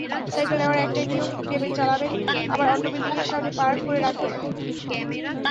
Cycle নেওয়ার একটাই নিয়ম—নেবেন, চালাবেন আবার অন্য বিল্ডিংয়ের সামনে পার্ক করে রাখবেন।